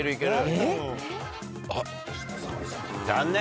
残念。